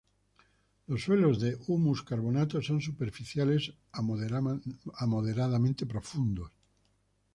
Los suelos de humus-carbonato son superficiales a moderadamente profundos.